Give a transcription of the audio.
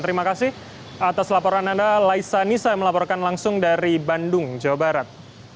terima kasih atas laporan anda laisa nisa melaporkan langsung dari bandung jawa barat